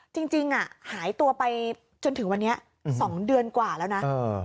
จริงหายตัวไปจนถึงวันนี้๒เดือนกว่าแล้วนะ